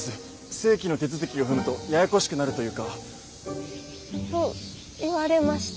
正規の手続きを踏むとややこしくなるというか。と言われましても。